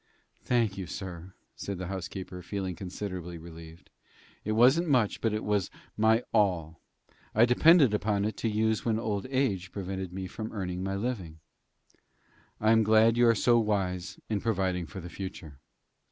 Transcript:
"Thank you, sir," said the housekeeper, feeling considerably relieved; "it wasn't much, but it was my all. I depended upon it to use when old age prevented me from earning my living." "I am glad you are so wise in providing for the future."